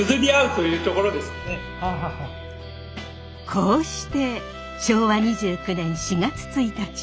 こうして昭和２９年４月１日。